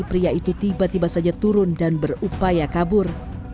pria itu tiba tiba saja turun dan berupaya kabur